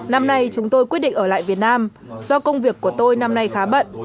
năm nay chúng tôi quyết định ở lại việt nam do công việc của tôi năm nay khá bận